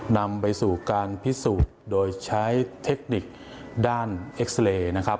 นำไปสู่การพิสูจน์โดยใช้เทคนิคด้านเอ็กซาเรย์นะครับ